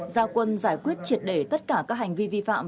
ra quân giải quyết triệt để tất cả các hành vi vi phạm